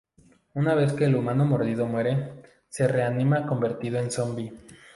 Una vez que el humano mordido muere, se reanima convertido en zombi.